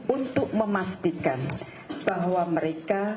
untuk memastikan bahwa mereka